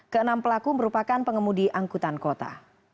keenam pelaku merupakan pengemudi angkutan kota